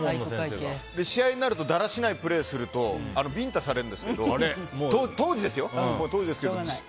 試合になるとだらしないプレーをするとビンタされるんですけど当時ですけどね。